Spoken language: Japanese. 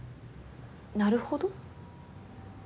なるほど？